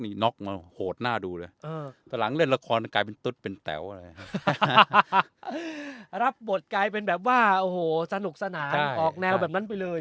นี่ตอบอยู่โหดหน้าดูเลยแล้วละครจะกลายทำเป็นตุ๊นเป็นแปลวรับบทกลายเป็นแบบว่าโอ้โหสนุกสนานออกแนวแบบนั้นไปเลย